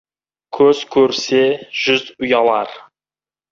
Көз көрсе, жүз ұялар.